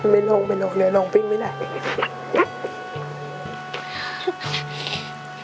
ไม่ลงไม่ลงเนื้อน้องเพลงไม่ได้